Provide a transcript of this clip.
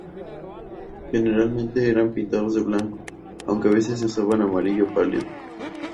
Generalmente eran pintados de blanco, aunque a veces se usaba amarillo pálido.